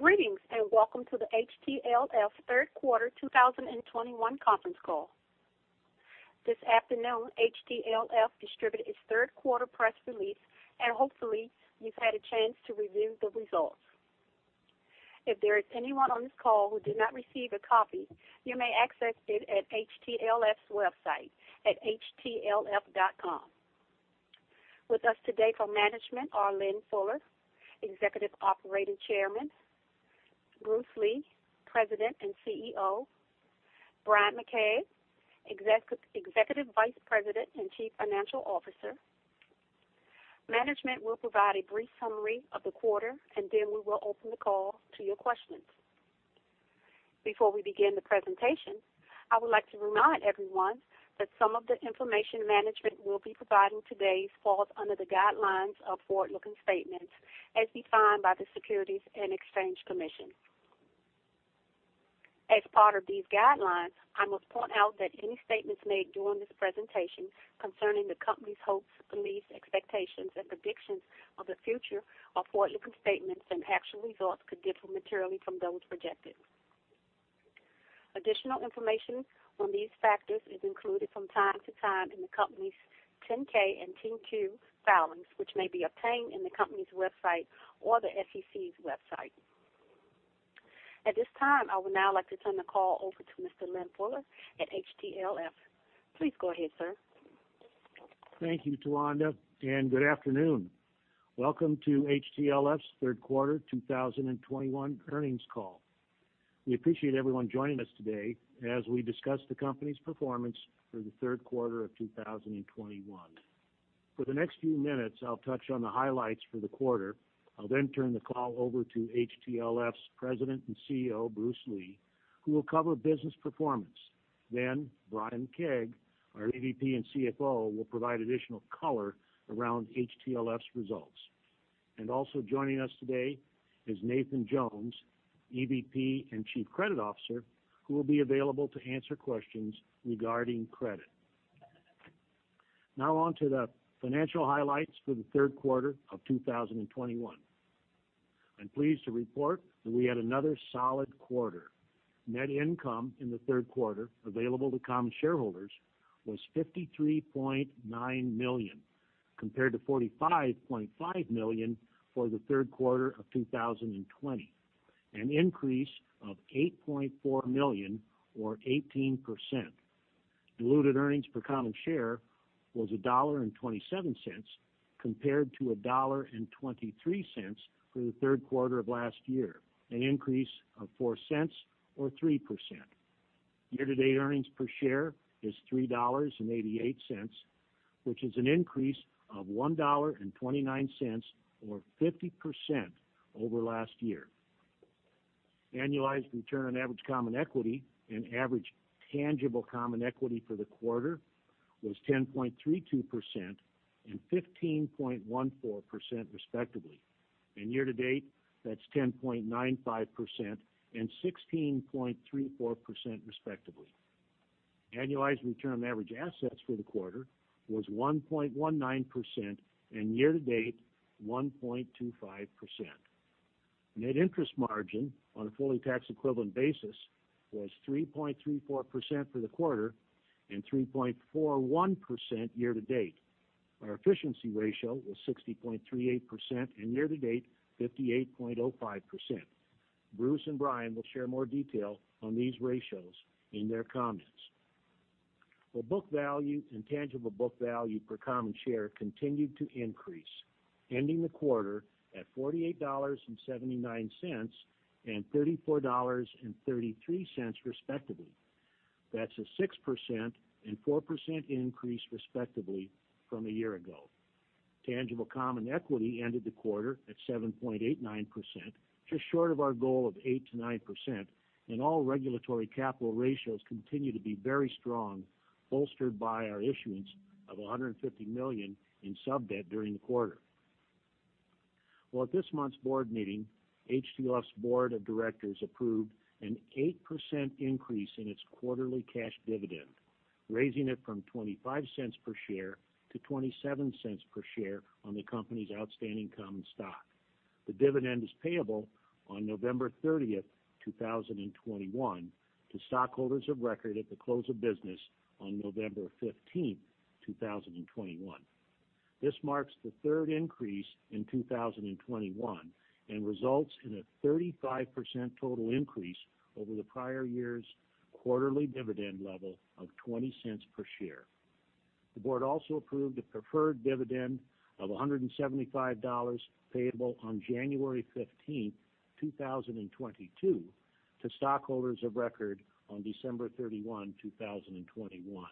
Greetings, and welcome to the HTLF third quarter 2021 conference call. This afternoon, HTLF distributed its third quarter press release. Hopefully you've had a chance to review the results. If there is anyone on this call who did not receive a copy, you may access it at HTLF's website at htlf.com. With us today from management are Lynn Fuller, Executive Operating Chairman, Bruce Lee, President and CEO, Bryan McKeag, Executive Vice President and Chief Financial Officer. Management will provide a brief summary of the quarter. Then we will open the call to your questions. Before we begin the presentation, I would like to remind everyone that some of the information management will be providing today falls under the guidelines of forward-looking statements as defined by the Securities and Exchange Commission. As part of these guidelines, I must point out that any statements made during this presentation concerning the company's hopes, beliefs, expectations, and predictions of the future are forward-looking statements, and actual results could differ materially from those projected. Additional information on these factors is included from time to time in the company's 10-K and 10-Q filings, which may be obtained in the company's website or the SEC's website. At this time, I would now like to turn the call over to Mr. Lynn Fuller at HTLF. Please go ahead, sir. Thank you, Towanda. Good afternoon. Welcome to HTLF's third quarter 2021 earnings call. We appreciate everyone joining us today as we discuss the company's performance for the third quarter of 2021. For the next few minutes, I'll touch on the highlights for the quarter. I'll turn the call over to HTLF's President and CEO, Bruce Lee, who will cover business performance. Bryan McKeag, our EVP and CFO, will provide additional color around HTLF's results. Also joining us today is Nathan Jones, EVP and Chief Credit Officer, who will be available to answer questions regarding credit. Now on to the financial highlights for the third quarter of 2021. I'm pleased to report that we had another solid quarter. Net income in the third quarter available to common shareholders was $53.9 million, compared to $45.5 million for the third quarter of 2020, an increase of $8.4 million or 18%. Diluted earnings per common share was $1.27, compared to $1.23 for the third quarter of last year, an increase of $0.04 or 3%. Year-to-date earnings per share is $3.88, which is an increase of $1.29 or 50% over last year. Annualized return on average common equity and average tangible common equity for the quarter was 10.32% and 15.14%, respectively. Year-to-date, that's 10.95% and 16.34%, respectively. Annualized return on average assets for the quarter was 1.19%, and year-to-date, 1.25%. Net interest margin on a fully tax-equivalent basis was 3.34% for the quarter and 3.41% year-to-date. Our efficiency ratio was 60.38%, and year-to-date, 58.05%. Bruce and Bryan will share more detail on these ratios in their comments. The book value and tangible book value per common share continued to increase, ending the quarter at $48.79 and $34.33, respectively. That's a 6% and 4% increase, respectively, from a year ago. Tangible common equity ended the quarter at 7.89%, just short of our goal of 8%-9%, and all regulatory capital ratios continue to be very strong, bolstered by our issuance of $150 million in sub-debt during the quarter. Well, at this month's board meeting, HTLF's board of directors approved an 8% increase in its quarterly cash dividend, raising it from $0.25 per share to $0.27 per share on the company's outstanding common stock. The dividend is payable on November 30th, 2021 to stockholders of record at the close of business on November 15th, 2021. This marks the third increase in 2021 and results in a 35% total increase over the prior year's quarterly dividend level of $0.20 per share. The board also approved a preferred dividend of $175 payable on January 15th, 2022 to stockholders of record on December 31, 2021.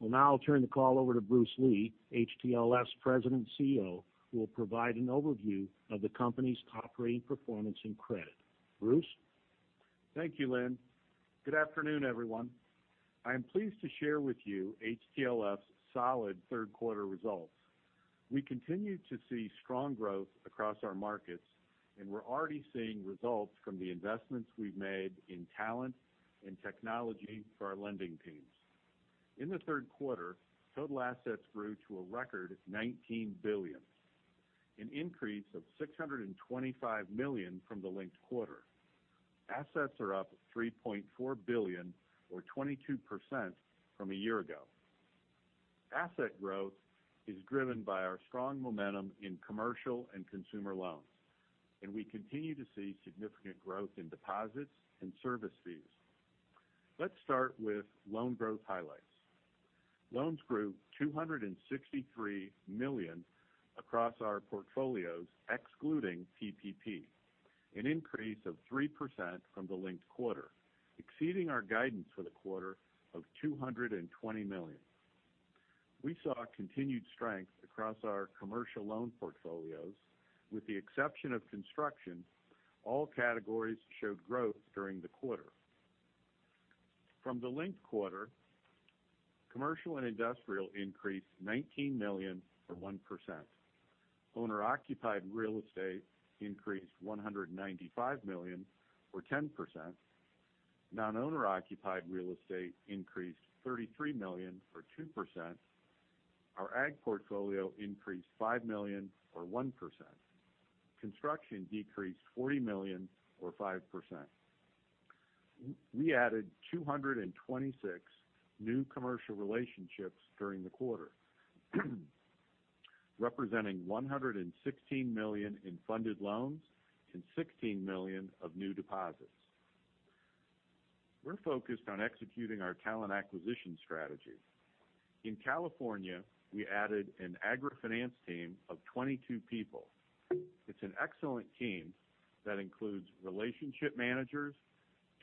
Now I'll turn the call over to Bruce Lee, HTLF's President and CEO, who will provide an overview of the company's operating performance and credit. Bruce? Thank you, Lynn. Good afternoon, everyone. I am pleased to share with you HTLF's solid third quarter results. We continue to see strong growth across our markets, we're already seeing results from the investments we've made in talent and technology for our lending teams. In the third quarter, total assets grew to a record $19 billion, an increase of $625 million from the linked quarter. Assets are up $3.4 billion or 22% from a year ago. Asset growth is driven by our strong momentum in commercial and consumer loans, and we continue to see significant growth in deposits and service fees. Let's start with loan growth highlights. Loans grew $263 million across our portfolios, excluding PPP, an increase of 3% from the linked quarter, exceeding our guidance for the quarter of $220 million. We saw continued strength across our commercial loan portfolios. With the exception of construction, all categories showed growth during the quarter. From the linked quarter, commercial and industrial increased $19 million or 1%. Owner-occupied real estate increased $195 million or 10%. Non-owner occupied real estate increased $33 million or 2%. Our ag portfolio increased $5 million or 1%. Construction decreased $40 million or 5%. We added 226 new commercial relationships during the quarter, representing $116 million in funded loans and $16 million of new deposits. We're focused on executing our talent acquisition strategy. In California, we added an agri-finance team of 22 people. It's an excellent team that includes relationship managers,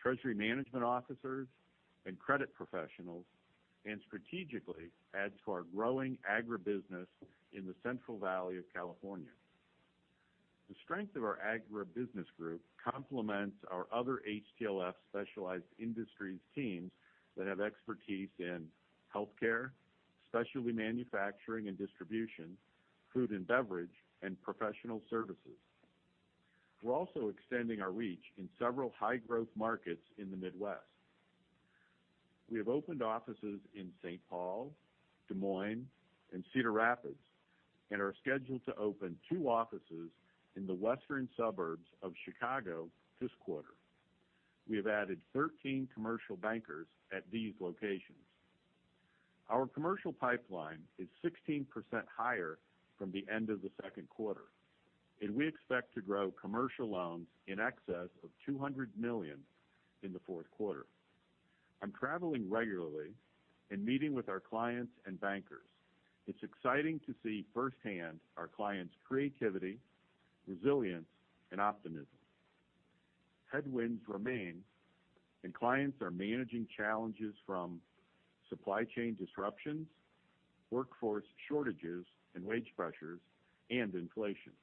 treasury management officers, and credit professionals, and strategically adds to our growing agribusiness in the Central Valley of California. The strength of our agribusiness group complements our other HTLF specialized industries teams that have expertise in healthcare, specialty manufacturing and distribution, food and beverage, and professional services. We're also extending our reach in several high-growth markets in the Midwest. We have opened offices in St. Paul, Des Moines, and Cedar Rapids, and are scheduled to open two offices in the western suburbs of Chicago this quarter. We have added 13 commercial bankers at these locations. Our commercial pipeline is 16% higher from the end of the second quarter, and we expect to grow commercial loans in excess of $200 million in the fourth quarter. I'm traveling regularly and meeting with our clients and bankers. It's exciting to see firsthand our clients' creativity, resilience, and optimism. Headwinds remain, and clients are managing challenges from supply chain disruptions, workforce shortages and wage pressures, and inflation.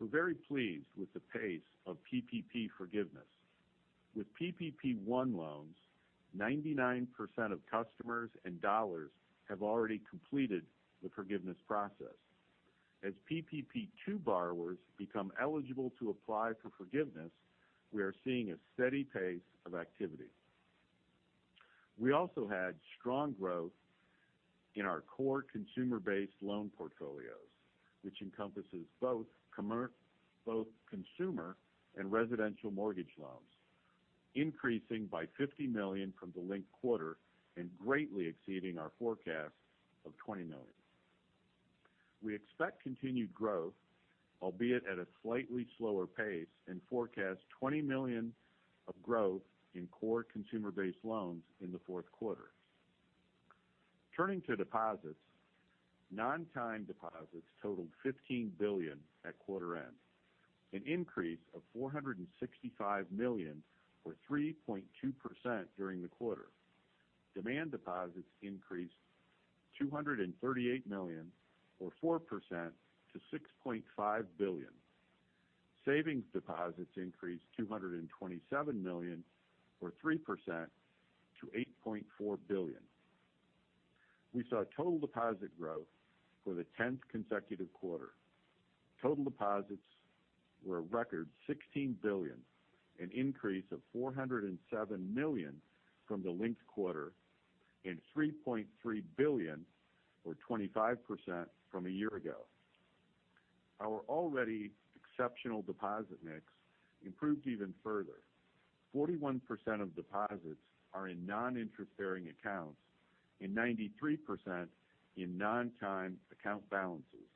We're very pleased with the pace of PPP forgiveness. With PPP 1 loans, 99% of customers and dollars have already completed the forgiveness process. As PPP 2 borrowers become eligible to apply for forgiveness, we are seeing a steady pace of activity. We also had strong growth in our core consumer-based loan portfolios, which encompasses both consumer and residential mortgage loans, increasing by $50 million from the linked quarter and greatly exceeding our forecast of $20 million. We expect continued growth, albeit at a slightly slower pace, and forecast $20 million of growth in core consumer-based loans in the fourth quarter. Turning to deposits. Non-time deposits totaled $15 billion at quarter end, an increase of $465 million or 3.2% during the quarter. Demand deposits increased $238 million or 4% to $6.5 billion. Savings deposits increased $227 million or 3% to $8.4 billion. We saw total deposit growth for the 10th consecutive quarter. Total deposits were a record $16 billion, an increase of $407 million from the linked quarter and $3.3 billion or 25% from a year ago. Our already exceptional deposit mix improved even further. 41% of deposits are in non-interest-bearing accounts and 93% in non-time account balances.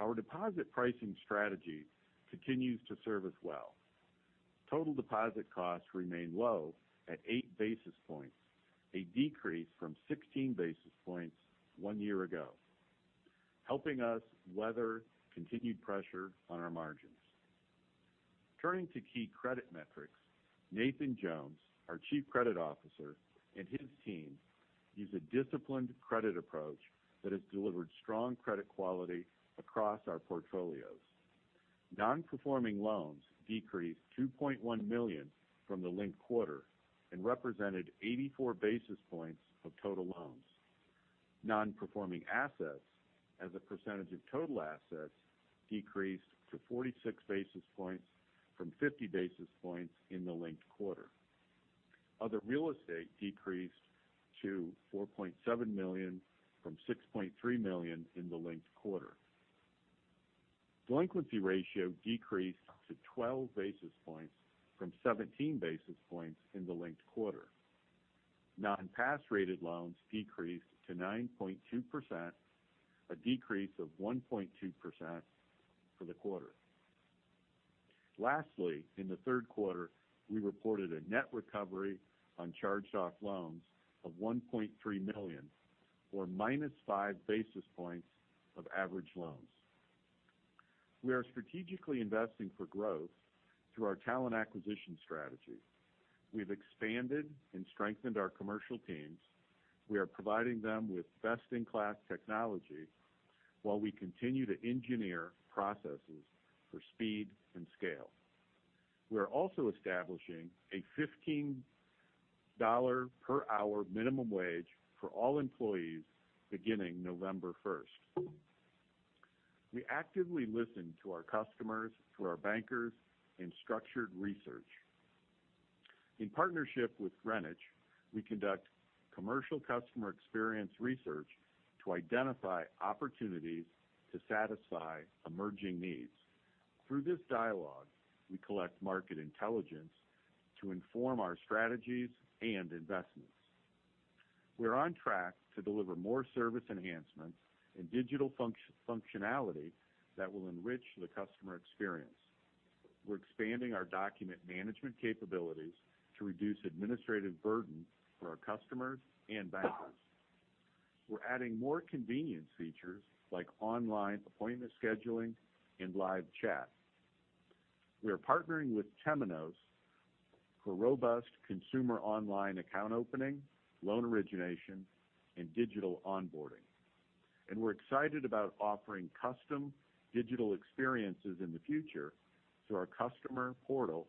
Our deposit pricing strategy continues to serve us well. Total deposit costs remain low at 8 basis points, a decrease from 16 basis points one year ago, helping us weather continued pressure on our margins. Turning to key credit metrics. Nathan Jones, our Chief Credit Officer, and his team use a disciplined credit approach that has delivered strong credit quality across our portfolios. Non-performing loans decreased $2.1 million from the linked quarter and represented 84 basis points of total loans. Non-performing assets as a percentage of total assets decreased to 46 basis points from 50 basis points in the linked quarter. Other real estate decreased to $4.7 million from $6.3 million in the linked quarter. Delinquency ratio decreased to 12 basis points from 17 basis points in the linked quarter. Non-pass-rated loans decreased to 9.2%, a decrease of 1.2% for the quarter. Lastly, in the third quarter, we reported a net recovery on charged-off loans of $1.3 million, or -5 basis points of average loans. We are strategically investing for growth through our talent acquisition strategy. We've expanded and strengthened our commercial teams. We are providing them with best-in-class technology while we continue to engineer processes for speed and scale. We are also establishing a $15 per hour minimum wage for all employees beginning November 1st. We actively listen to our customers, to our bankers, and structured research. In partnership with Greenwich, we conduct commercial customer experience research to identify opportunities to satisfy emerging needs. Through this dialogue, we collect market intelligence to inform our strategies and investments. We're on track to deliver more service enhancements and digital functionality that will enrich the customer experience. We're expanding our document management capabilities to reduce administrative burden for our customers and bankers. We're adding more convenience features like online appointment scheduling and live chat. We are partnering with Temenos for robust consumer online account opening, loan origination, and digital onboarding. We're excited about offering custom digital experiences in the future through our customer portal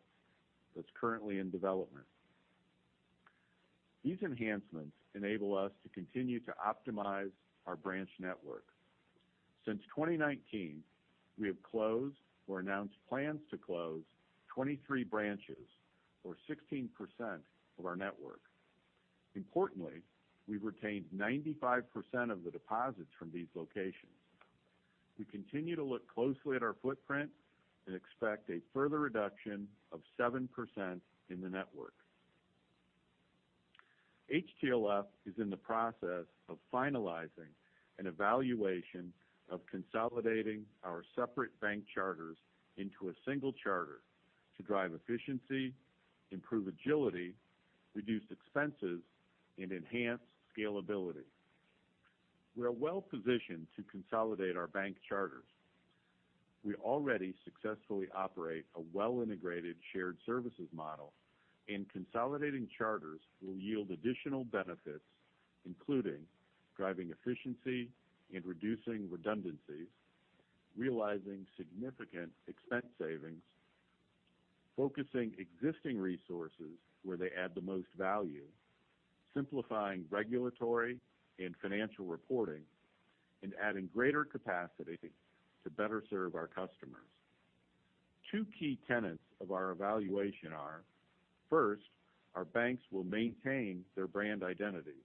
that's currently in development. These enhancements enable us to continue to optimize our branch network. Since 2019, we have closed or announced plans to close 23 branches, or 16% of our network. Importantly, we've retained 95% of the deposits from these locations. We continue to look closely at our footprint and expect a further reduction of 7% in the network. HTLF is in the process of finalizing an evaluation of consolidating our separate bank charters into a single charter to drive efficiency, improve agility, reduce expenses, and enhance scalability. We're well-positioned to consolidate our bank charters. We already successfully operate a well-integrated shared services model. Consolidating charters will yield additional benefits, including driving efficiency and reducing redundancies, realizing significant expense savings, focusing existing resources where they add the most value, simplifying regulatory and financial reporting, and adding greater capacity to better serve our customers. Two key tenets of our evaluation are, first, our banks will maintain their brand identities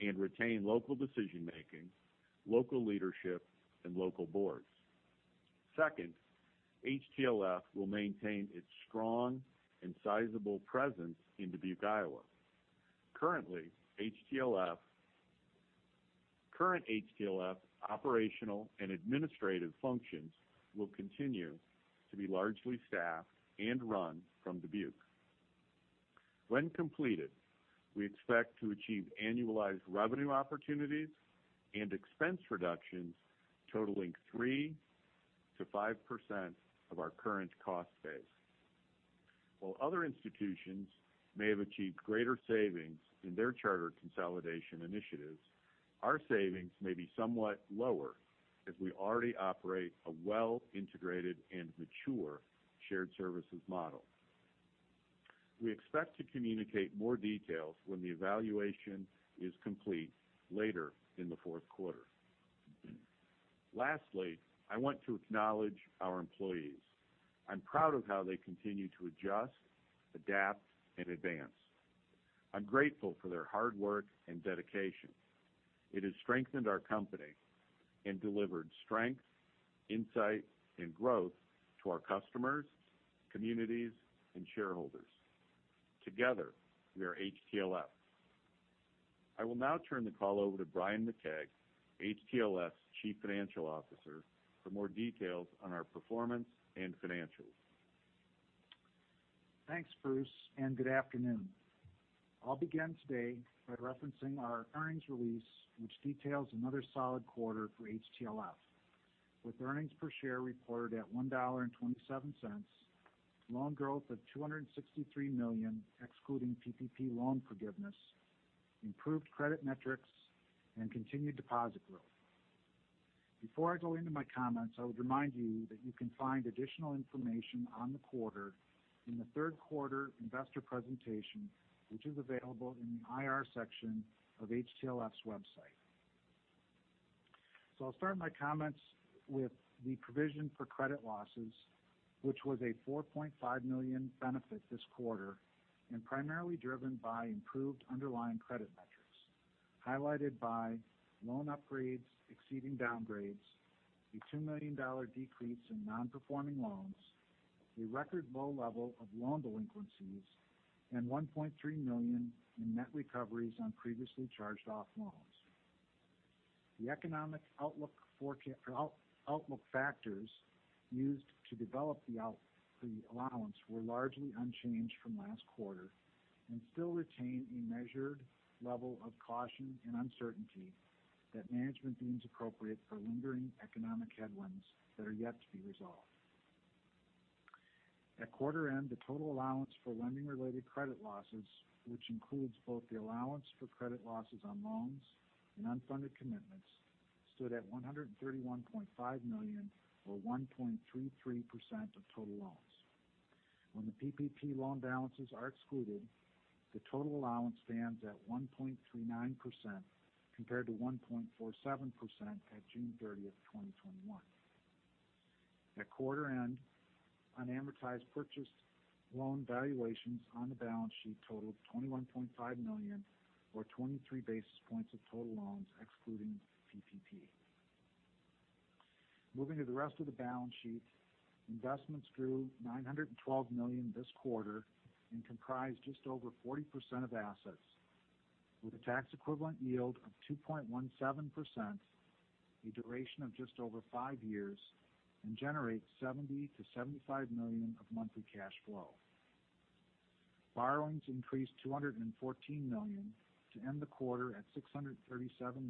and retain local decision-making, local leadership, and local boards. Second, HTLF will maintain its strong and sizable presence in Dubuque, Iowa. Currently, HTLF operational and administrative functions will continue to be largely staffed and run from Dubuque. When completed, we expect to achieve annualized revenue opportunities and expense reductions totaling 3%-5% of our current cost base. While other institutions may have achieved greater savings in their charter consolidation initiatives, our savings may be somewhat lower as we already operate a well-integrated and mature shared services model. We expect to communicate more details when the evaluation is complete later in the fourth quarter. Lastly, I want to acknowledge our employees. I'm proud of how they continue to adjust, adapt, and advance. I'm grateful for their hard work and dedication. It has strengthened our company and delivered strength, insight, and growth to our customers, communities, and shareholders. Together, we are HTLF. I will now turn the call over to Bryan McKeag, HTLF's Chief Financial Officer, for more details on our performance and financials. Thanks, Bruce, and good afternoon. I'll begin today by referencing our earnings release, which details another solid quarter for HTLF, with earnings per share reported at $1.27, loan growth of $263 million, excluding PPP loan forgiveness, improved credit metrics, and continued deposit growth. Before I go into my comments, I would remind you that you can find additional information on the quarter in the third quarter investor presentation, which is available in the IR section of HTLF's website. I'll start my comments with the provision for credit losses, which was a $4.5 million benefit this quarter, and primarily driven by improved underlying credit metrics, highlighted by loan upgrades exceeding downgrades, a $2 million decrease in non-performing loans, a record low level of loan delinquencies, and $1.3 million in net recoveries on previously charged-off loans. The economic outlook factors used to develop the allowance were largely unchanged from last quarter and still retain a measured level of caution and uncertainty that management deems appropriate for lingering economic headwinds that are yet to be resolved. At quarter end, the total allowance for lending-related credit losses, which includes both the allowance for credit losses on loans and unfunded commitments, stood at $131.5 million, or 1.33% of total loans. When the PPP loan balances are excluded, the total allowance stands at 1.39%, compared to 1.47% at June 30th, 2021. At quarter end, unamortized purchase loan valuations on the balance sheet totaled $21.5 million, or 23 basis points of total loans, excluding PPP. Moving to the rest of the balance sheet, investments grew to $912 million this quarter and comprise just over 40% of assets with a tax-equivalent yield of 2.17%, a duration of just over five years, and generates $70 million-$75 million of monthly cash flow. Borrowings increased $214 million to end the quarter at $637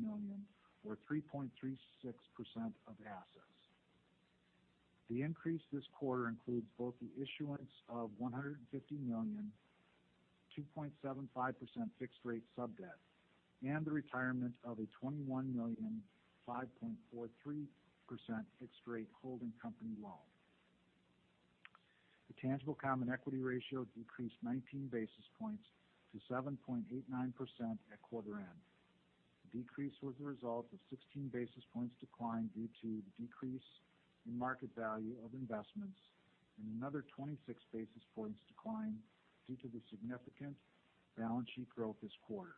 million, or 3.36% of assets. The increase this quarter includes both the issuance of $150 million, 2.75% fixed rate sub debt, and the retirement of a $21 million, 5.43% fixed rate holding company loan. The tangible common equity ratio decreased 19 basis points to 7.89% at quarter end. The decrease was a result of 16 basis points decline due to the decrease in market value of investments and another 26 basis points decline due to the significant balance sheet growth this quarter.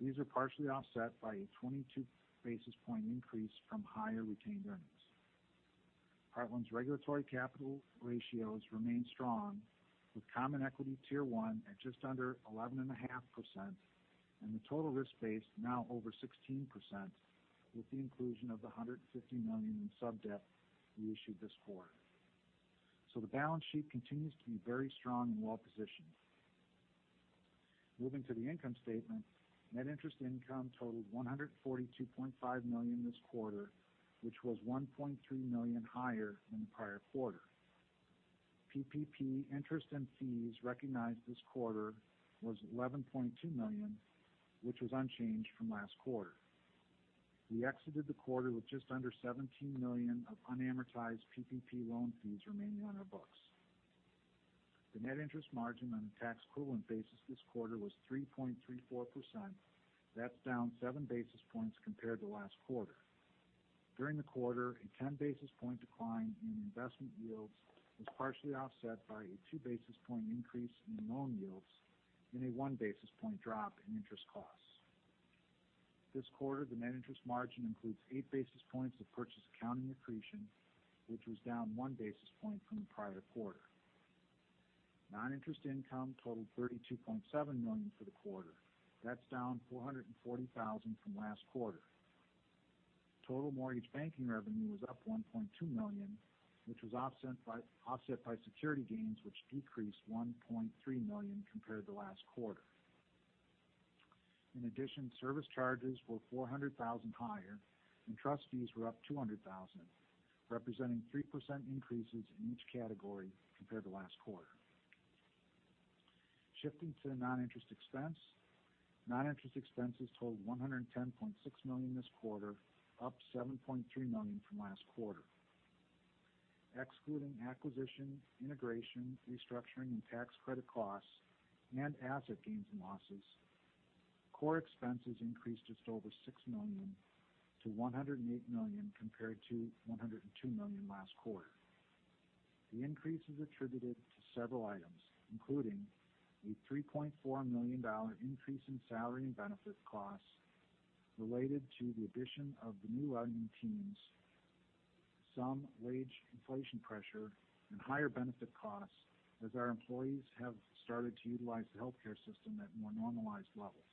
These are partially offset by a 22 basis point increase from higher retained earnings. Heartland's regulatory capital ratios remain strong with Common Equity Tier 1 at just under 11.5% and the total risk base now over 16% with the inclusion of the $150 million in sub debt we issued this quarter. The balance sheet continues to be very strong and well-positioned. Moving to the income statement, net interest income totaled $142.5 million this quarter, which was $1.3 million higher than the prior quarter. PPP interest and fees recognized this quarter was $11.2 million, which was unchanged from last quarter. We exited the quarter with just under $17 million of unamortized PPP loan fees remaining on our books. The net interest margin on a tax-equivalent basis this quarter was 3.34%. That's down 7 basis points compared to last quarter. During the quarter, a 10 basis point decline in investment yields was partially offset by a 2 basis point increase in loan yields and a 1 basis point drop in interest costs. This quarter, the net interest margin includes 8 basis points of purchase accounting accretion, which was down 1 basis point from the prior quarter. Non-interest income totaled $32.7 million for the quarter. That's down $440,000 from last quarter. Total mortgage banking revenue was up $1.2 million, which was offset by security gains, which decreased $1.3 million compared to last quarter. In addition, service charges were $400,000 higher and trust fees were up $200,000, representing 3% increases in each category compared to last quarter. Shifting to the non-interest expense. Non-interest expenses totaled $110.6 million this quarter, up $7.3 million from last quarter. Excluding acquisition, integration, restructuring, and tax credit costs, and asset gains and losses, core expenses increased just over $6 million to $108 million compared to $102 million last quarter. The increase is attributed to several items, including a $3.4 million increase in salary and benefit costs related to the addition of the new lending teams, some wage inflation pressure, and higher benefit costs as our employees have started to utilize the healthcare system at more normalized levels.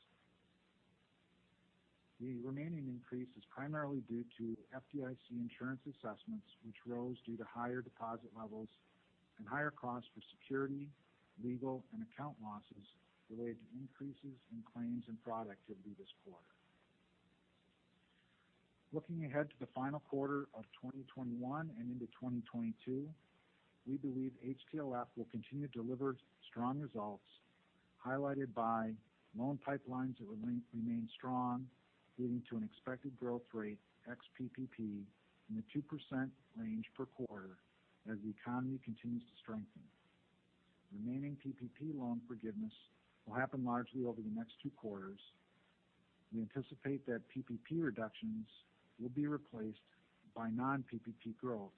The remaining increase is primarily due to FDIC insurance assessments, which rose due to higher deposit levels and higher costs for security, legal, and account losses related to increases in claims and fraud activity this quarter. Looking ahead to the final quarter of 2021 and into 2022, we believe HTLF will continue to deliver strong results. Highlighted by loan pipelines that remain strong, leading to an expected growth rate ex-PPP in the 2% range per quarter as the economy continues to strengthen. Remaining PPP loan forgiveness will happen largely over the next two quarters. We anticipate that PPP reductions will be replaced by non-PPP growth.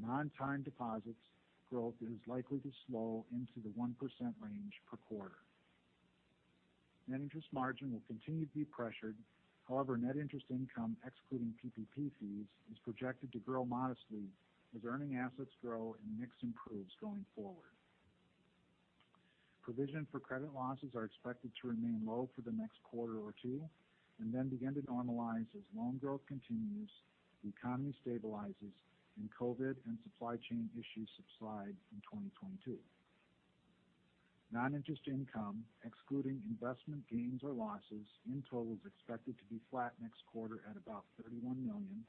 Non-time deposits growth is likely to slow into the 1% range per quarter. Net interest margin will continue to be pressured. However, net interest income, excluding PPP fees, is projected to grow modestly as earning assets grow and mix improves going forward. Provision for credit losses are expected to remain low for the next quarter or two, and then begin to normalize as loan growth continues, the economy stabilizes, and COVID and supply chain issues subside in 2022. Non-interest income, excluding investment gains or losses, in total, is expected to be flat next quarter at about $31 million.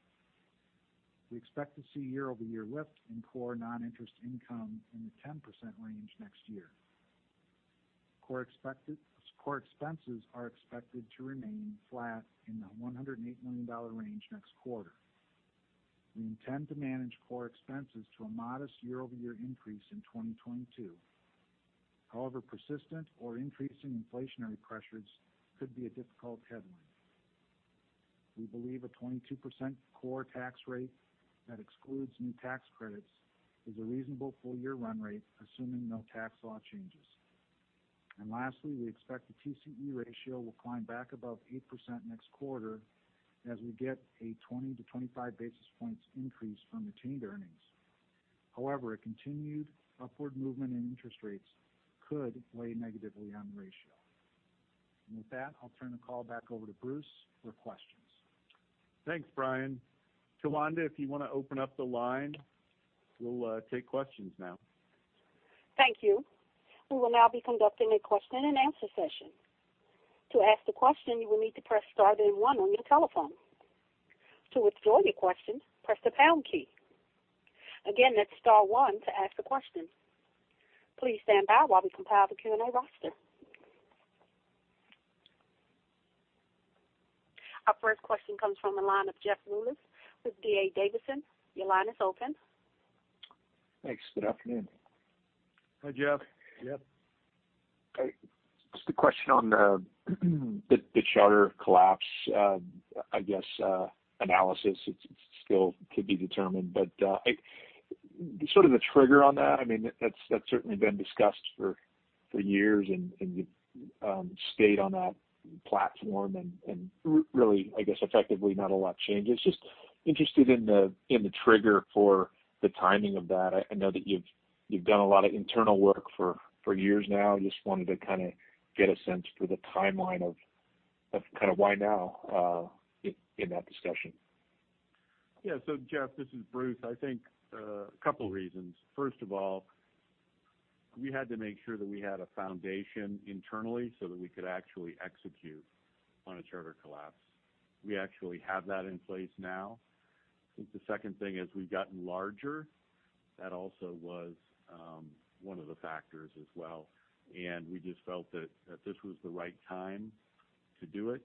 We expect to see year-over-year lift in core non-interest income in the 10% range next year. Core expenses are expected to remain flat in the $108 million range next quarter. We intend to manage core expenses to a modest year-over-year increase in 2022. However, persistent or increasing inflationary pressures could be a difficult headwind. We believe a 22% core tax rate that excludes new tax credits is a reasonable full-year run rate, assuming no tax law changes. Lastly, we expect the TCE ratio will climb back above 8% next quarter as we get a 20-25 basis points increase from retained earnings. A continued upward movement in interest rates could weigh negatively on the ratio. With that, I'll turn the call back over to Bruce for questions. Thanks, Bryan. Towanda, if you want to open up the line, we'll take questions now. Thank you. We will now be conducting a question and answer session. To ask the question, you will need to press star then one on your telephone. To withdraw your question, press the pound key. Again, that's star one to ask a question. Please stand by while we compile the Q&A roster. Our first question comes from the line of Jeff Rulis with D.A. Davidson. Your line is open. Thanks. Good afternoon. Hi, Jeff. Jeff. Just a question on the charter collapse, I guess, analysis. It still could be determined, but sort of the trigger on that's certainly been discussed for years, and you've stayed on that platform and really, I guess effectively not a lot changes. Just interested in the trigger for the timing of that. I know that you've done a lot of internal work for years now. Just wanted to kind of get a sense for the timeline of kind of why now in that discussion. Jeff, this is Bruce. I think couple reasons. First of all, we had to make sure that we had a foundation internally so that we could actually execute on a charter collapse. We actually have that in place now. I think the second thing is we've gotten larger. That also was one of the factors as well, and we just felt that this was the right time to do it,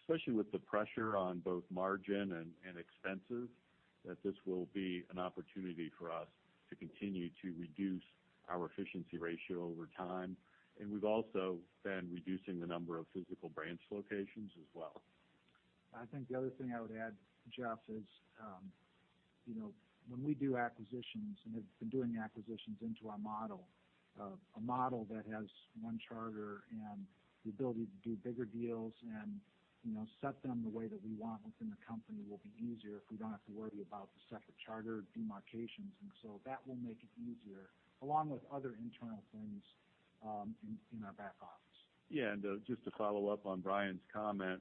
especially with the pressure on both margin and expenses, that this will be an opportunity for us to continue to reduce our efficiency ratio over time. We've also been reducing the number of physical branch locations as well. I think the other thing I would add, Jeff, is when we do acquisitions and have been doing acquisitions into our model, a model that has one charter and the ability to do bigger deals and set them the way that we want within the company will be easier if we don't have to worry about the separate charter demarcations and so that will make it easier, along with other internal things in our back office. Yeah, just to follow up on Bryan's comment,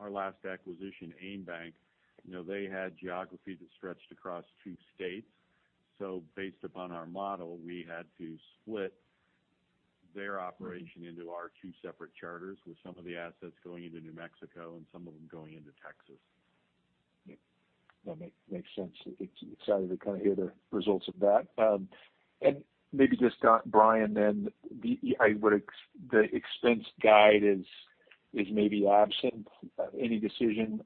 our last acquisition, AimBank, they had geography that stretched across two states. Based upon our model, we had to split their operation into our two separate charters with some of the assets going into New Mexico and some of them going into Texas. Yeah. That makes sense. Excited to kind of hear the results of that. Maybe just, Bryan, the expense guide is maybe absent. Any decision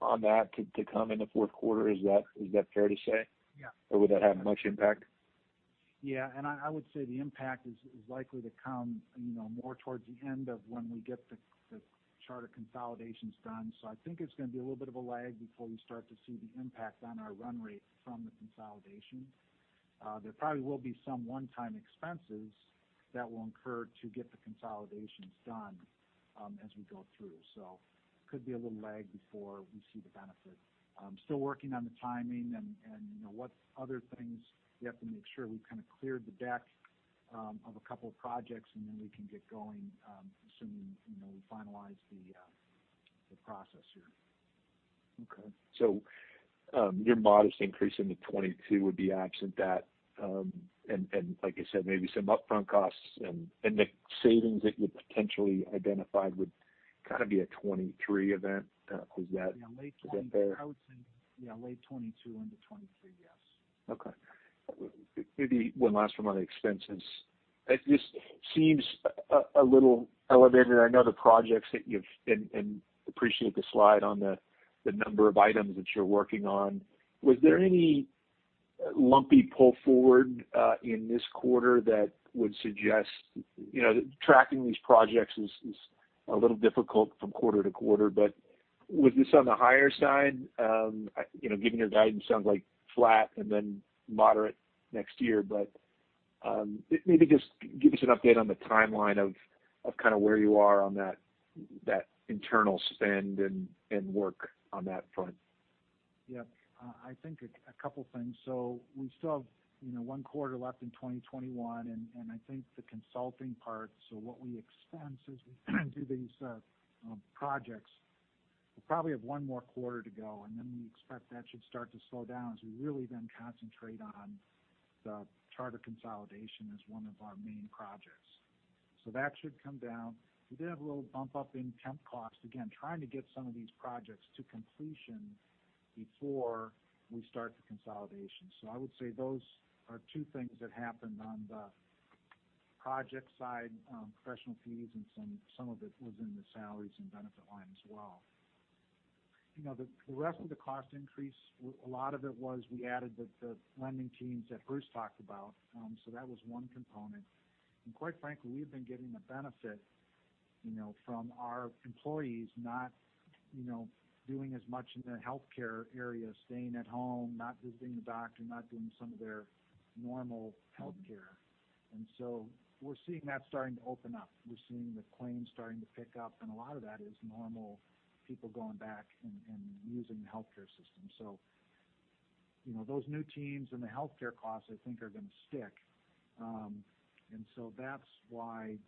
on that to come in the fourth quarter? Is that fair to say? Yeah. Would that have much impact? Yeah, I would say the impact is likely to come more towards the end of when we get the charter consolidations done. I think it's going to be a little bit of a lag before we start to see the impact on our run rate from the consolidation. There probably will be some one-time expenses that will incur to get the consolidations done as we go through. Could be a little lag before we see the benefit. Still working on the timing and what other things. We have to make sure we've kind of cleared the deck of a couple of projects, and then we can get going as soon as we finalize the process here. Okay. Your modest increase into 2022 would be absent that, and like you said, maybe some upfront costs and the savings that you potentially identified would be a 2023 event. Is that fair? Yeah, late 2022 into 2023. Yes. Okay. Maybe one last for my expenses. It just seems a little elevated. I know the projects that you've and appreciate the slide on the number of items that you're working on. Was there any lumpy pull forward in this quarter that would suggest. Tracking these projects is a little difficult from quarter-to-quarter, but was this on the higher side? Given your guidance sounds like flat and then moderate next year. Maybe just give us an update on the timeline of where you are on that internal spend and work on that front. Yeah. I think a couple of things. We still have one quarter left in 2021, and I think the consulting part, so what we expense as we do these projects. We'll probably have one more quarter to go, and then we expect that should start to slow down as we really then concentrate on the charter consolidation as one of our main projects. That should come down. We did have a little bump up in temp cost, again, trying to get some of these projects to completion before we start the consolidation. I would say those are two things that happened on the project side, professional fees, and some of it was in the salaries and benefit line as well. The rest of the cost increase, a lot of it was we added the lending teams that Bruce talked about. That was one component. Quite frankly, we've been getting the benefit from our employees not doing as much in the healthcare area, staying at home, not visiting the doctor, not doing some of their normal healthcare. We're seeing that starting to open up. We're seeing the claims starting to pick up, and a lot of that is normal people going back and using the healthcare system. Those new teams and the healthcare costs, I think are going to stick. That's why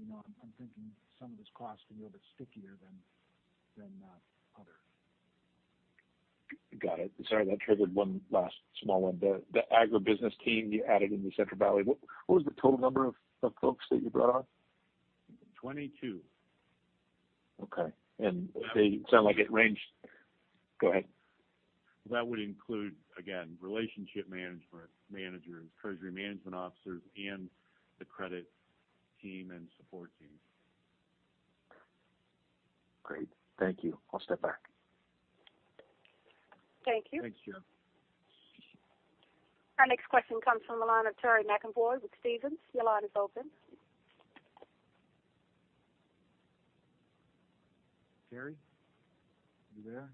I'm thinking some of this cost can be a little bit stickier than others. Got it. Sorry, that triggered one last small one. The agribusiness team you added in the Central Valley, what was the total number of folks that you brought on? 22. Okay. Go ahead. That would include, again, relationship managers, treasury management officers, and the credit team and support teams. Great. Thank you. I'll step back. Thank you. Thanks, Jeff. Our next question comes from the line of Terry McEvoy with Stephens. Your line is open. Terry? Are you there?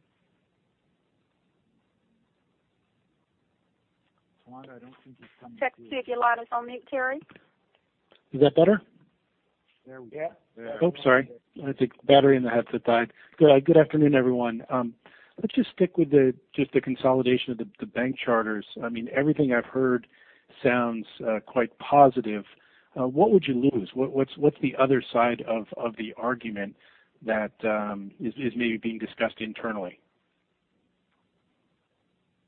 Towanda, I don't think he's coming through. Check to see if your line is on mute, Terry. Is that better? There we go. Oh, sorry. I think the battery in the headset died. Good afternoon, everyone. Let's just stick with just the consolidation of the bank charters. Everything I've heard sounds quite positive. What would you lose? What's the other side of the argument that is maybe being discussed internally?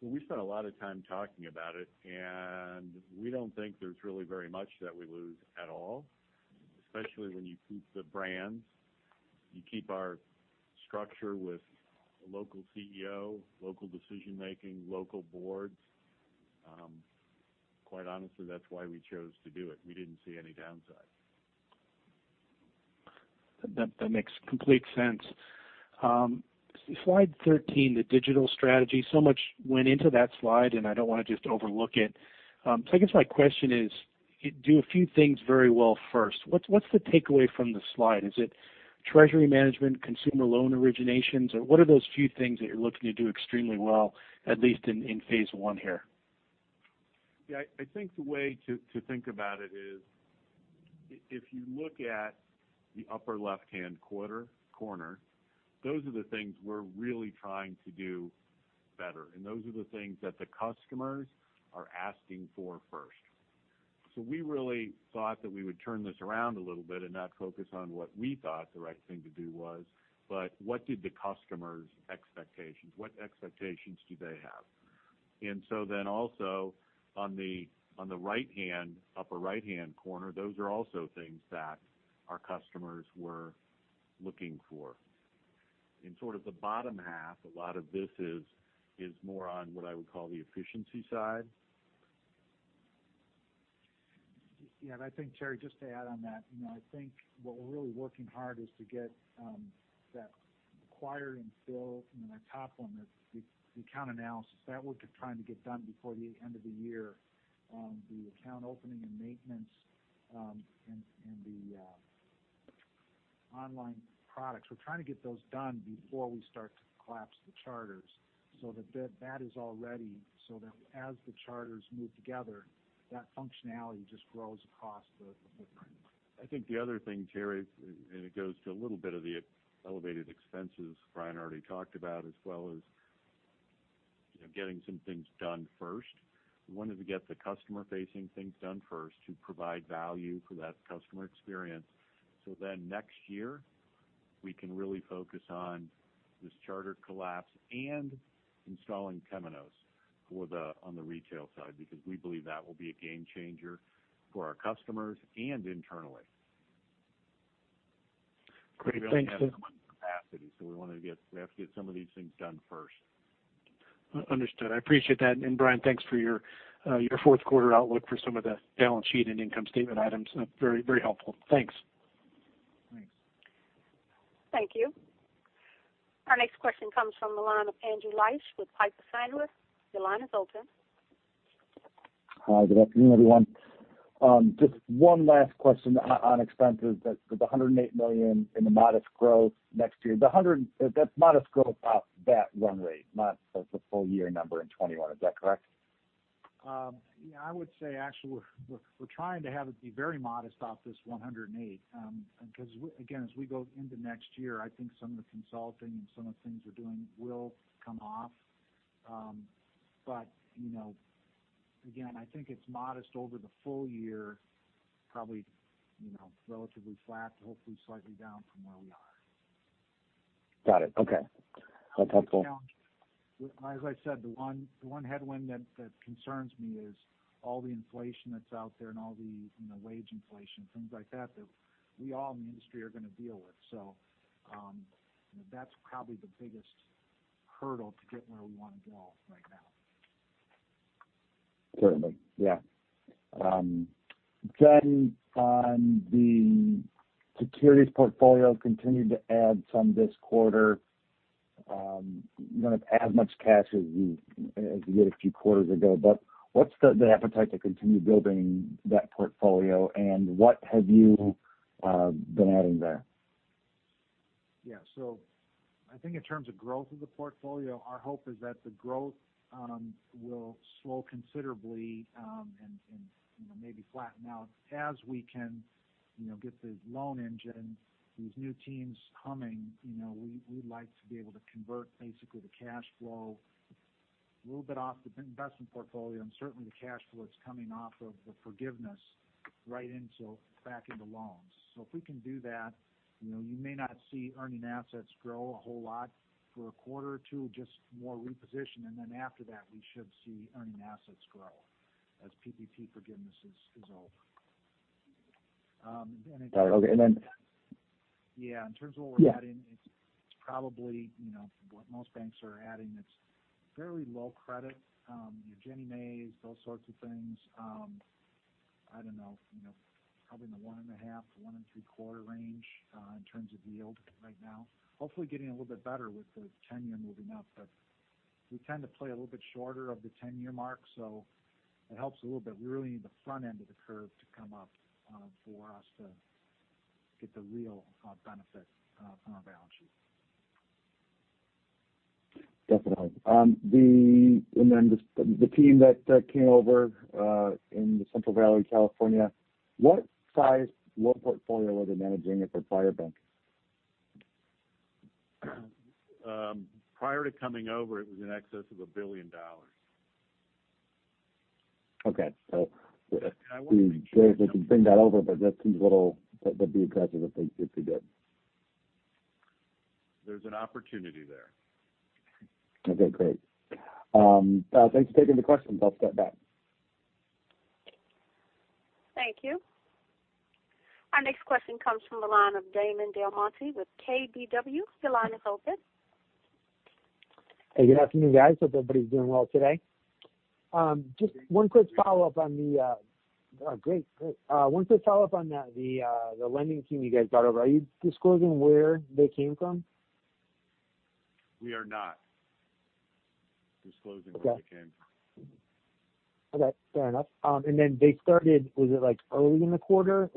Well, we spent a lot of time talking about it, and we don't think there's really very much that we lose at all, especially when you keep the brands. You keep our structure with a local CEO, local decision-making, local boards. Quite honestly, that's why we chose to do it. We didn't see any downside. That makes complete sense. Slide 13, the digital strategy. Much went into that slide, and I don't want to just overlook it. I guess my question is, do a few things very well first. What's the takeaway from the slide? Is it treasury management, consumer loan originations, or what are those few things that you're looking to do extremely well, at least in Phase 1 here? Yeah. I think the way to think about it is if you look at the upper left-hand corner, those are the things we're really trying to do better, and those are the things that the customers are asking for first. We really thought that we would turn this around a little bit and not focus on what we thought the right thing to do was, but what did the customers' expectations, what expectations do they have? Also on the right-hand, upper right-hand corner, those are also things that our customers were looking for. In sort of the bottom half, a lot of this is more on what I would call the efficiency side. Yeah. I think, Terry, just to add on that, I think what we're really working hard is to get that acquire and fill, the top one, the account analysis. That we're trying to get done before the end of the year. The account opening and maintenance, and the online products. We're trying to get those done before we start to collapse the charters so that that is all ready, so that as the charters move together, that functionality just grows across the footprint. I think the other thing, Terry, it goes to a little bit of the elevated expenses Bryan already talked about, as well as getting some things done first. We wanted to get the customer-facing things done first to provide value for that customer experience. Next year, we can really focus on this charter collapse and installing Temenos on the retail side because we believe that will be a game changer for our customers and internally. Great. Thanks. We only have so much capacity, so we have to get some of these things done first. Understood. I appreciate that. Bryan, thanks for your fourth quarter outlook for some of the balance sheet and income statement items. Very helpful. Thanks. Thanks. Thank you. Our next question comes from the line of Andrew Liesch with Piper Sandler. Your line is open. Hi, good afternoon, everyone. Just one last question on expenses. With the $108 million in the modest growth next year. The modest growth off that run rate, not the full-year number in 2021, is that correct? I would say, actually, we're trying to have it be very modest off this $108 because again, as we go into next year, I think some of the consulting and some of the things we're doing will come off. Again, I think it's modest over the full year, probably relatively flat, hopefully slightly down from where we are. Got it. Okay. That's helpful. As I said, the one headwind that concerns me is all the inflation that's out there and all the wage inflation, things like that we all in the industry are going to deal with. That's probably the biggest hurdle to get where we want to go right now. Certainly, yeah. On the securities portfolio, continued to add some this quarter. Not as much cash as you did a few quarters ago, but what's the appetite to continue building that portfolio, and what have you been adding there? Yeah. I think in terms of growth of the portfolio, our hope is that the growth will slow considerably and maybe flatten out as we can get the loan engine, these new teams coming. We'd like to be able to convert basically the cash flow a little bit off the investment portfolio, and certainly the cash flow that's coming off of the forgiveness right back into loans. If we can do that, you may not see earning assets grow a whole lot for a quarter or two, just more reposition. After that, we should see earning assets grow as PPP forgiveness is over. Got it. Okay. Yeah, in terms of what we're adding. Yeah it's probably what most banks are adding that's fairly low credit. Your GNMAs, those sorts of things. I don't know, probably in the 1.5%-1.75% range in terms of yield right now. Hopefully getting a little bit better with the 10-year moving up. We tend to play a little bit shorter of the 10-year mark, so it helps a little bit. We really need the front end of the curve to come up for us to get the real benefit on our balance sheet. Definitely. Then the team that came over in the Central Valley, California, what size, what portfolio were they managing at their prior bank? Prior to coming over, it was in excess of $1 billion. Okay. I want to make sure. if we can bring that over, but if they did pretty good. There's an opportunity there. Okay, great. Thanks for taking the questions. I'll step back. Thank you. Our next question comes from the line of Damon DelMonte with KBW. Your line is open. Hey, good afternoon, guys. Hope everybody's doing well today. Oh, great. One quick follow-up on the lending team you guys got over. Are you disclosing where they came from? We are not disclosing where they came from. Okay. Fair enough. Then they started, was it early in the quarter?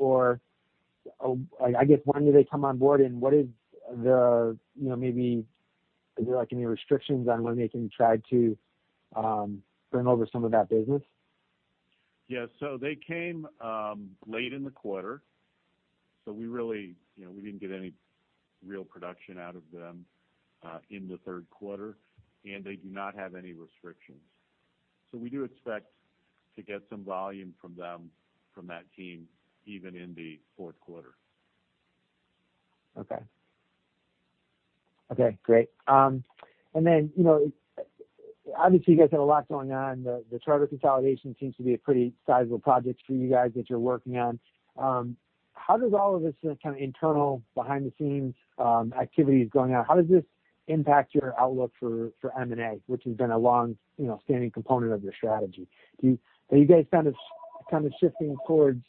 When did they come on board, and are there any restrictions on when they can try to bring over some of that business? Yeah. They came late in the quarter. We didn't get any real production out of them in the third quarter. They do not have any restrictions. We do expect to get some volume from them, from that team, even in the fourth quarter. Okay. Great. Obviously you guys have a lot going on. The charter consolidation seems to be a pretty sizable project for you guys that you're working on. How does all of this kind of internal behind-the-scenes activities going on, how does this impact your outlook for M&A, which has been a long-standing component of your strategy? Are you guys kind of shifting towards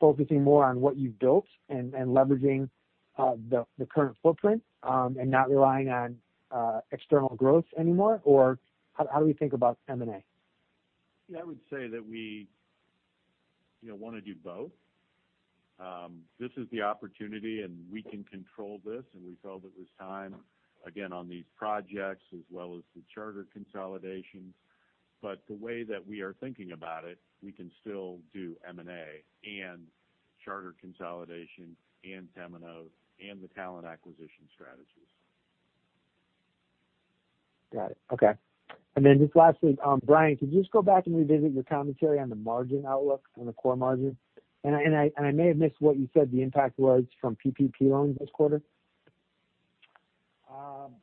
focusing more on what you've built and leveraging the current footprint, and not relying on external growth anymore? How do we think about M&A? Yeah, I would say that we want to do both. This is the opportunity, and we can control this, and we felt it was time, again, on these projects as well as the charter consolidation. The way that we are thinking about it, we can still do M&A and charter consolidation and Temenos and the talent acquisition strategies. Got it. Okay. Just lastly, Bryan, could you just go back and revisit your commentary on the margin outlook on the core margin? I may have missed what you said the impact was from PPP loans this quarter.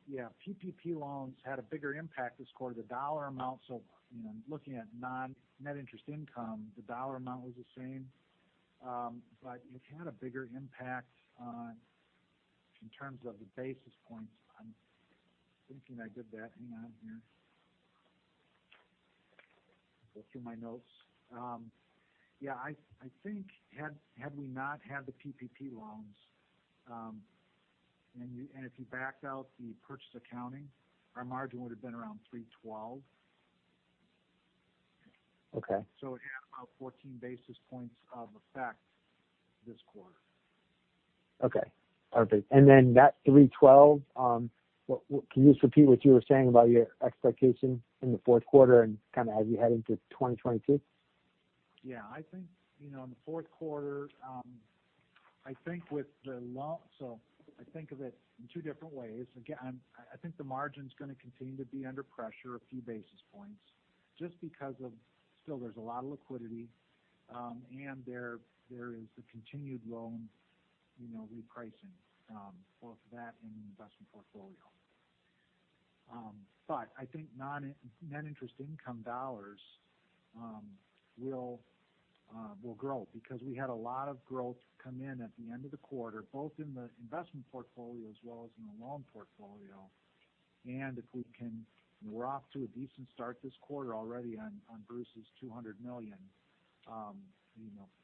Yeah. PPP loans had a bigger impact this quarter, the dollar amount. Looking at net interest income, the dollar amount was the same. It had a bigger impact on in terms of the basis points. I'm thinking I did that. Hang on here. Go through my notes. Yeah, I think had we not had the PPP loans, and if you backed out the purchase accounting, our margin would've been around 312. Okay. It had about 14 basis points of effect this quarter. Okay, perfect. That 312, can you just repeat what you were saying about your expectation in the fourth quarter and as you head into 2022? I think, in the fourth quarter, I think of it in two different ways. I think the margin's going to continue to be under pressure a few basis points just because of still there's a lot of liquidity, and there is the continued loan repricing both for that and the investment portfolio. I think net interest income dollars will grow because we had a lot of growth come in at the end of the quarter, both in the investment portfolio as well as in the loan portfolio. We're off to a decent start this quarter already on Bruce's $200 million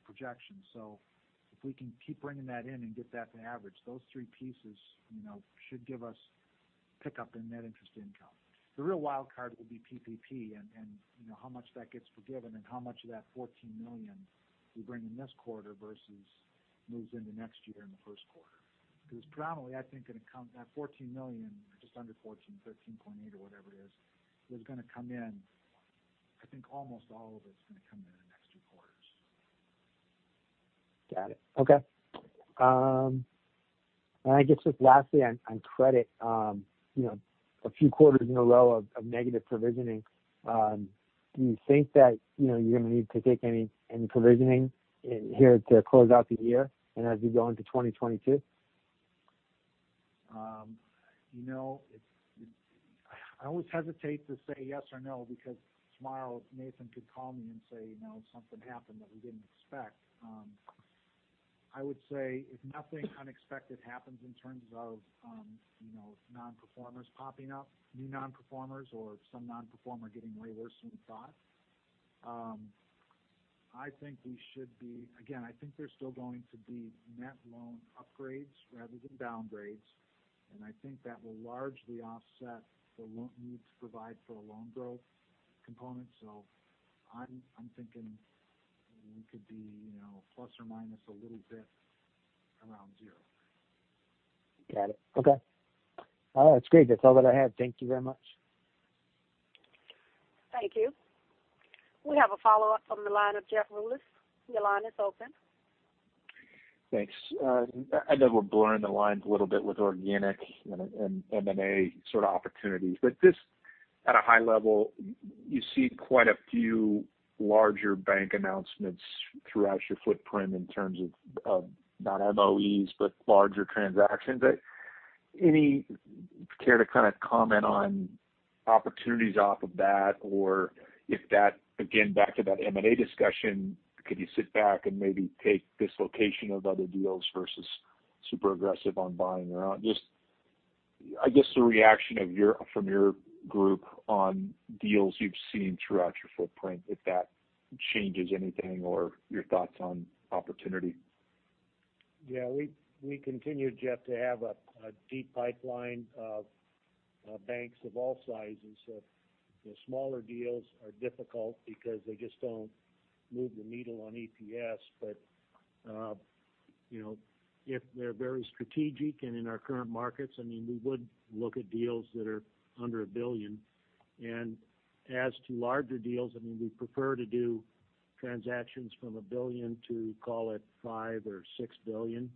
projection. If we can keep bringing that in and get that to average, those three pieces should give us pick up in net interest income. The real wild card will be PPP and how much that gets forgiven and how much of that $14 million we bring in this quarter versus moves into next year in the first quarter. Predominantly, I think that $14 million or just under 14, $13.8 million or whatever it is, I think almost all of it's going to come in the next two quarters. Got it. Okay. I guess just lastly on credit. A few quarters in a row of negative provisioning. Do you think that you're going to need to take any provisioning here to close out the year and as we go into 2022? I always hesitate to say yes or no because tomorrow Nathan could call me and say something happened that we didn't expect. I would say if nothing unexpected happens in terms of non-performers popping up, new non-performers or some non-performer getting way worse than we thought. Again, I think there's still going to be net loan upgrades rather than downgrades, and I think that will largely offset the need to provide for a loan growth component. So I'm thinking we could be plus or minus a little bit around zero. Got it. Okay. All right. That's great. That's all that I have. Thank you very much. Thank you. We have a follow-up from the line of Jeff Rulis. Your line is open. Thanks. I know we're blurring the lines a little bit with organic and M&A sort of opportunities. Just at a high level, you see quite a few larger bank announcements throughout your footprint in terms of, not MOEs, but larger transactions. Care to kind of comment on opportunities off of that? If that, again, back to that M&A discussion, could you sit back and maybe take dislocation of other deals versus super aggressive on buying or not? Just, I guess the reaction from your group on deals you've seen throughout your footprint, if that changes anything or your thoughts on opportunity. Yeah. We continue, Jeff, to have a deep pipeline of banks of all sizes. The smaller deals are difficult because they just don't move the needle on EPS. If they're very strategic and in our current markets, we would look at deals that are under $1 billion. As to larger deals, we prefer to do transactions from $1 billion to call it $5 billion-$6 billion.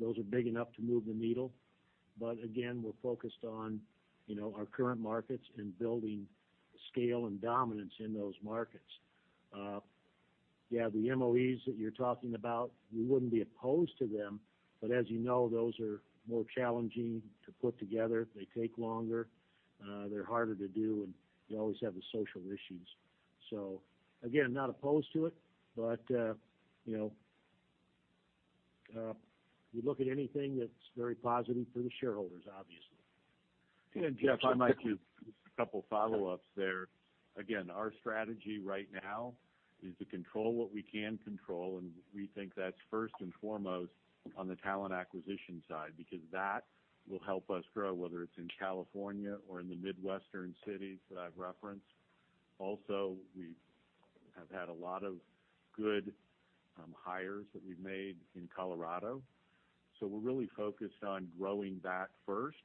Those are big enough to move the needle. Again, we're focused on our current markets and building scale and dominance in those markets. Yeah, the MOEs that you're talking about, we wouldn't be opposed to them. As you know, those are more challenging to put together. They take longer. They're harder to do, and you always have the social issues. Again, not opposed to it, but we'd look at anything that's very positive for the shareholders, obviously. Jeff, I might give just a couple follow-ups there. Again, our strategy right now is to control what we can control, and we think that's first and foremost on the talent acquisition side because that will help us grow, whether it's in California or in the Midwestern cities that I've referenced. Also, we have had a lot of good hires that we've made in Colorado. We're really focused on growing that first.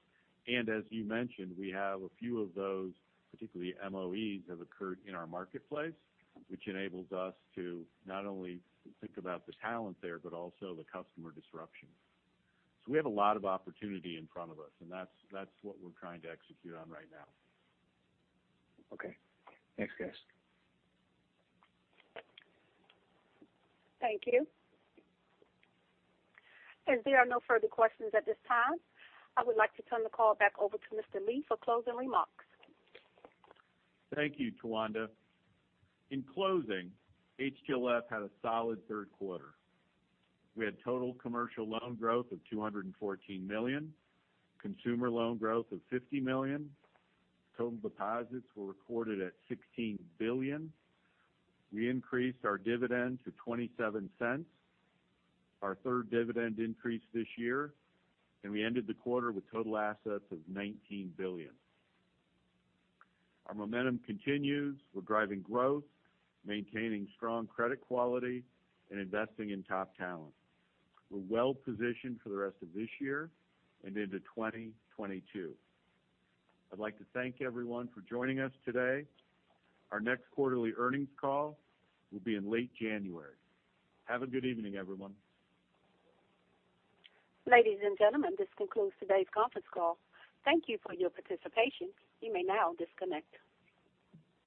As you mentioned, we have a few of those, particularly MOEs, have occurred in our marketplace, which enables us to not only think about the talent there, but also the customer disruption. We have a lot of opportunity in front of us, and that's what we're trying to execute on right now. Okay. Thanks, guys. Thank you. As there are no further questions at this time, I would like to turn the call back over to Mr. Lee for closing remarks. Thank you, Towanda. In closing, HTLF had a solid third quarter. We had total commercial loan growth of $214 million, consumer loan growth of $50 million. Total deposits were recorded at $16 billion. We increased our dividend to $0.27, our third dividend increase this year, and we ended the quarter with total assets of $19 billion. Our momentum continues. We're driving growth, maintaining strong credit quality, and investing in top talent. We're well-positioned for the rest of this year and into 2022. I'd like to thank everyone for joining us today. Our next quarterly earnings call will be in late January. Have a good evening, everyone. Ladies and gentlemen, this concludes today's conference call. Thank you for your participation. You may now disconnect.